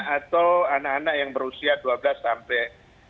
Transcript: atau anak anak yang berusia dua belas sampai